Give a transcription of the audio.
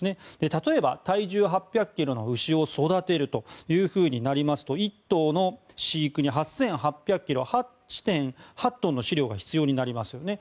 例えば、体重８００ｋｇの牛を育てるとなりますと１頭の飼育に８８００ｋｇ８．８トンの飼料が必要になりますよね。